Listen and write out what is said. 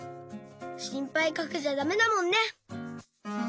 しんぱいかけちゃだめだもんね。